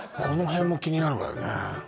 この辺も気になるわよね